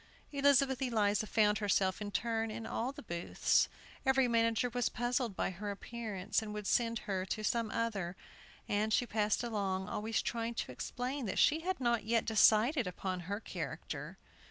Elizabeth Eliza found herself, in turn, in all the booths. Every manager was puzzled by her appearance, and would send her to some other, and she passed along, always trying to explain that she had not yet decided upon her character.